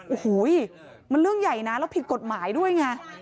โอ้โหมันเรื่องใหญ่นะแล้วผิดกฎหมายด้วยไง